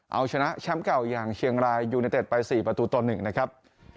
เอาชนะแชมป์เก่าอย่างเชียงรายยูเนเต็ดไป๔ประตูต่อ๑นะครับ